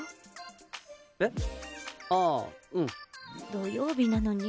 土曜日なのに。